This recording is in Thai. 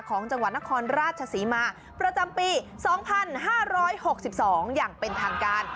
ของจังหวัดนครราชศรีมาประจำปี๒๕๖๒อย่างเป็นทางการ